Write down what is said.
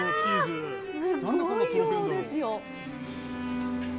すごい量ですよ。